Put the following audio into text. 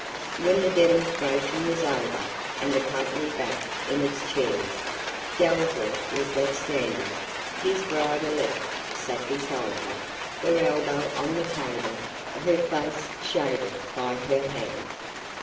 When the demonstration was over, and the company back in its chairs, Dalzell was left standing. His bride elect sat beside him, her elbow on the table, her face shaded by her hand.